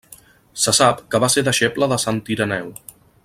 Se sap que va ser deixeble de Sant Ireneu.